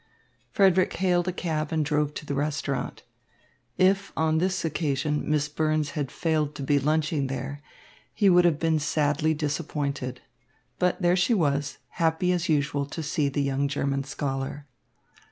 Frederick hailed a cab and drove to the restaurant. If on this occasion Miss Burns had failed to be lunching there, he would have been sadly disappointed. But there she was, happy as usual to see the young German scholar.